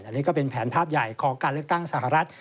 อันนี้ก็เป็นแผนภาพใหญ่ของการเลือกตั้งสหรัฐ